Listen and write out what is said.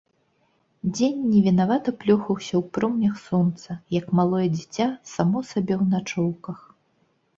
Дзень невінавата плёхаўся ў промнях сонца, як малое дзіця само сабе ў начоўках.